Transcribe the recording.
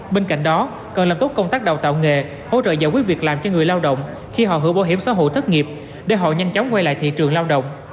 bên cạnh đó cần làm tốt công tác đào tạo nghề hỗ trợ giải quyết việc làm cho người lao động khi họ hưởng bảo hiểm xã hội thất nghiệp để họ nhanh chóng quay lại thị trường lao động